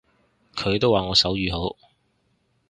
佢都話我手語好